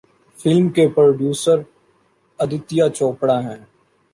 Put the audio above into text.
Film کے producer Aditya Chopra ہیں۔